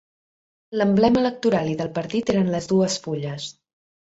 L'emblema electoral i del partit eren les dues fulles.